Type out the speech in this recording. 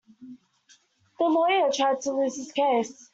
The lawyer tried to lose his case.